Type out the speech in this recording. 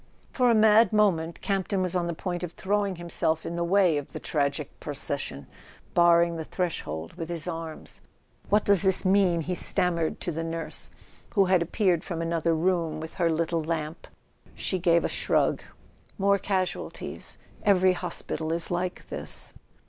For a mad moment Campton was on the point of throwing himself in the way of the tragic procession, barring the threshold with his arms. "What does this mean ?" he stammered to the nurse, who had appeared from another room with her little lamp. She gave a shrug. "More casualties—every hospital is like this."